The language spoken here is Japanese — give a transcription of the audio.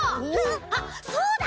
あっそうだ！